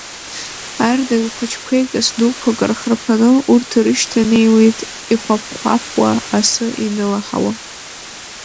Ардеи лхәыҷқәеи кас дуқәак рхарԥаны урҭ ирышьҭанеиуеит ихәаԥ-хәаԥуа, асы инылаҳауа…